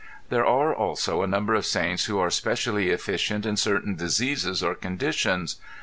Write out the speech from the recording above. There are also a number of saints who are specially efficient in certain diseases or conditions.